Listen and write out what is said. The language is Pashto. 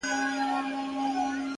په گيلاس او په ساغر دي اموخته کړم،